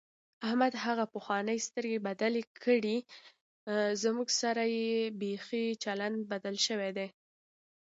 احمد هغه پخوانۍ سترګې بدلې کړې، زموږ سره یې بیخي چلند بدل شوی دی.